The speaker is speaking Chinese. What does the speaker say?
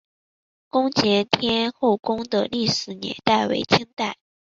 宫前天后宫的历史年代为清代。